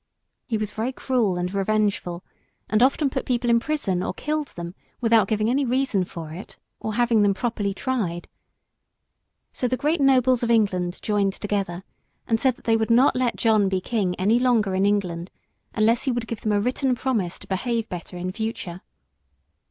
He was very cruel and revengeful, and often put people in prison or killed them without giving any reason for it, or having them properly tried. So the great nobles of England joined together and said that they would not let John be King any longer in England unless he would give them a written promise to behave better in future.